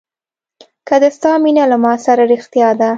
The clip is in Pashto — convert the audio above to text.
که د ستا مینه له ما سره رښتیا ده.